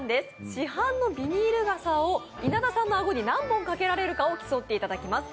市販のビニール傘に稲田さんの顎に何本かけられるか挑戦していただきます。